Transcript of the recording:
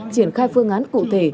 triển khai phương án cụ thể